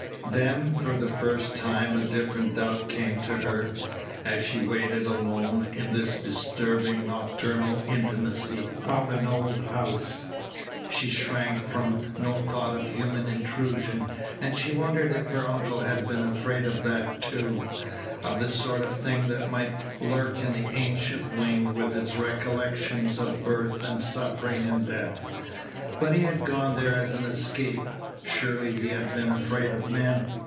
Then for the first time a different doubt came to her. As she waited alone in this disturbing nocturnal intimacy of an old house, she shrank from no thought of human intrusion, and she wondered if her uncle had been afraid of that, too, of the sort of thing that might lurk in the ancient wing with its recollections of birth and suffering and death. But he had gone there as an escape. Surely he had been afraid of men.